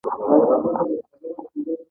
دا ډبرلیک په یوناني او ارامي ژبه دی